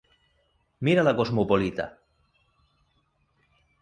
Mira la cosmopolita!